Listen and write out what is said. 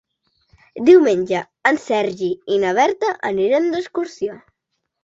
Diumenge en Sergi i na Berta aniran d'excursió.